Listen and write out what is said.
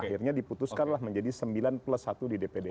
akhirnya diputuskanlah menjadi sembilan plus satu di dpd